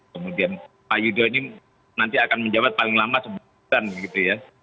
kemudian pak yudho ini nanti akan menjawab paling lama sebulan gitu ya